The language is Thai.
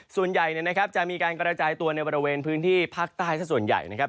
ส่วนใหญ่จะมีการกระจายตัวในบริเวณพื้นที่ภาคใต้ส่วนใหญ่นะครับ